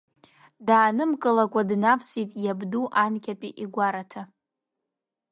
Даанымгылакәа днавсит иабду анкьатәи игәараҭа.